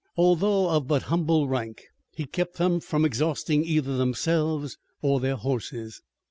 Although of but humble rank he kept them from exhausting either themselves or their horses.